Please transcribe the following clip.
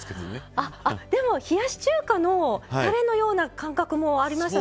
あでも冷やし中華のたれのような感覚もありましたので。